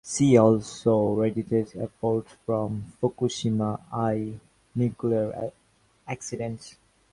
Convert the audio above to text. See also Radiation effects from Fukushima I nuclear accidents.